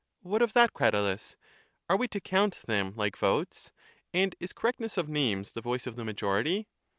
What of that, Cratylus? Are we to count them like votes? and is correctness of names the voice of the majority?